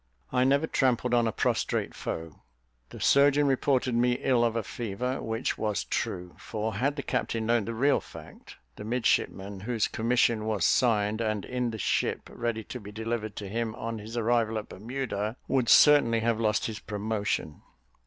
I never trampled on a prostrate foe. The surgeon reported me ill of a fever, which was true; for had the captain known the real fact, the midshipman, whose commission was signed, and in the ship, ready to be delivered to him on his arrival at Bermuda, would certainly have lost his promotion.